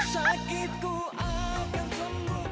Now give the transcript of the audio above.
sakitku akan sembuh